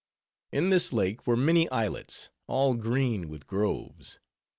In this lake were many islets, all green with groves.